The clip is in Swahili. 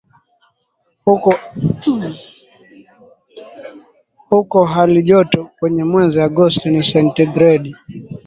Huko halijoto kwenye mwezi Agosti ni sentigredi